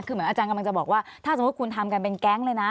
คือเหมือนอาจารย์กำลังจะบอกว่าถ้าสมมุติคุณทำกันเป็นแก๊งเลยนะ